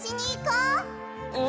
うん！